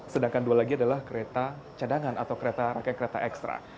sedangkan dua lagi adalah kereta cadangan atau kereta rangkaian kereta ekstra